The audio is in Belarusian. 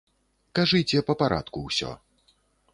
Кажыце па парадку ўсё.